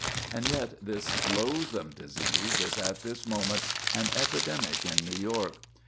And yet this loathsome disease is at this moment an epidemic in New York.